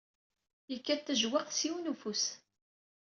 Yekkat tajewwaqt s yiwen ufus.